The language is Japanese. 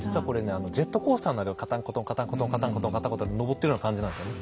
あのジェットコースターのカタンコトンカタンコトンカタンコトンカタンコトン上ってるような感じなんですよね。